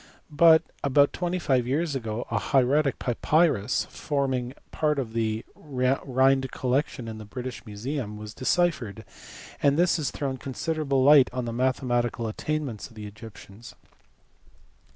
But about twenty five years ago a hieratic papyrus* forming part of the R hind collection in the British Museum was deciphered, and this has thrown considerable light on the mathematical attainments of the Egyptians.